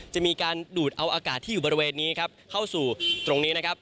จะมีการดูดเอาอากาศที่อยู่บริเวณนี้เข้าสู่ตรงนี้